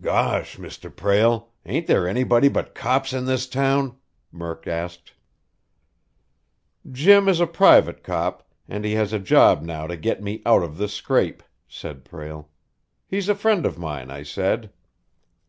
"Gosh, Mr. Prale, ain't there anybody but cops in this town?" Murk asked. "Jim is a private cop, and he has a job now to get me out of this scrape," said Prale. "He's a friend of mine, I said."